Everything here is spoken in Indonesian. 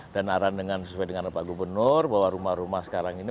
dan arahan sesuai dengan bapak gubernur bahwa rumah rumah sekarang ini